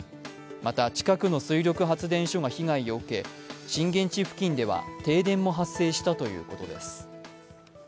また、近くの水力発電所が被害を受け震源地付近では停電も発生したということです。